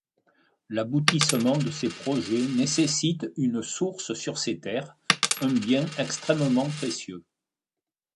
L'aboutissement de ces projets nécessite une source sur ses terres, un bien extrêmement précieux.